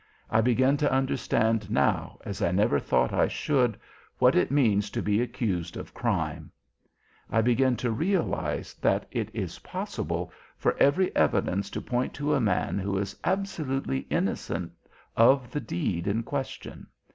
I begin to understand now, as I never thought I should, what it means to be accused of crime. I begin to realise that it is possible for every evidence to point to a man who is absolutely innocent of the deed in question.